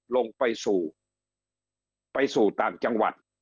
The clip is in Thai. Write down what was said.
ลงไปสู่ไปสู่ต่างจังหวัด